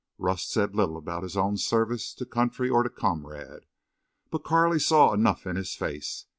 Rust said little about his own service to country or to comrade. But Carley saw enough in his face.